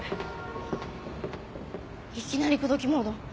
いきなり口説きモード。